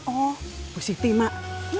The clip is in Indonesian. oh positif mak